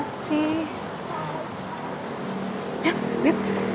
gak mau dulu